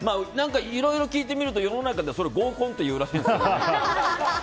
いろいろ聞いてみると世の中では、それを合コンというらしいんですけど。